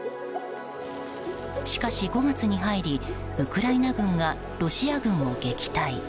しかし５月に入りウクライナ軍がロシア軍を撃退。